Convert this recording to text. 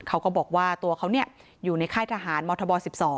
เขาก็บอกว่าตัวเขาอยู่ในค่ายทหารมธบ๑๒